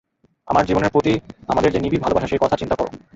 আবার জীবনের প্রতি আমাদের যে নিবিড় ভালবাসা, সেই কথা চিন্তা কর।